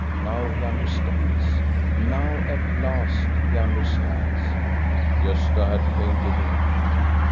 Now he understands; now at last he understands. " Gosta had painted him.